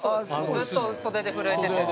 ずっと袖で震えてて。